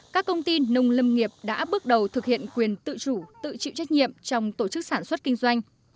các công ty nông lâm nghiệp đã bước đầu thực hiện quyền tự chủ tự chịu trách nhiệm trong tổ chức sản xuất kinh doanh